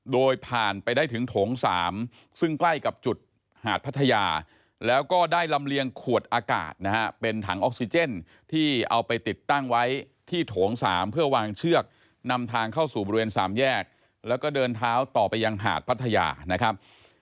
โดยผ่านไปได้ถึงโถง๓ซึ่งใกล้กับจุดหาดพัทยาแล้วก็ได้ลำเลียงขวดอากาศนะฮะเป็นถังออกซิเจนที่เอาไปติดตั้งไว้ที่โถง๓เพื่อวางเชือกนำทางเข้าสู่บริเวณ๓แยกแล้วก็เดินเท้าต่อไปยังหาดพัทยานะครับ